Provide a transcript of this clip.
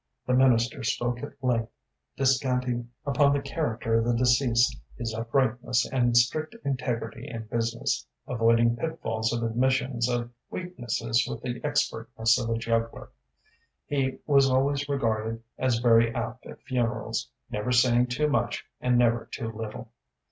The minister spoke at length, descanting upon the character of the deceased, his uprightness and strict integrity in business, avoiding pitfalls of admissions of weaknesses with the expertness of a juggler. He was always regarded as very apt at funerals, never saying too much and never too little.